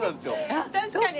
確かに！